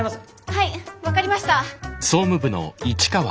はい分かりました。